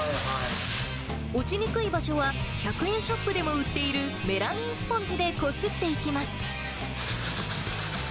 落ちにくい場所は１００円ショップでも売っているメラミンスポンジでこすっていきます。